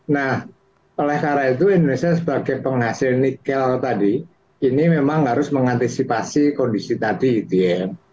nah oleh karena itu indonesia sebagai penghasil nikel tadi ini memang harus mengantisipasi kondisi tadi gitu ya